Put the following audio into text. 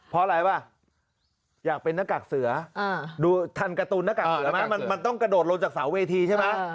เพราะอะไรป่ะอยากเป็นหน้ากากเสือดูทันการ์ตูนหน้ากากเสือไหมมันต้องกระโดดลงจากเสาเวทีใช่ไหม